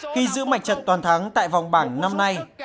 khi giữ mặt trận toàn thắng tại vòng bảng năm nay